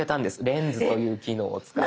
「レンズ」という機能を使って。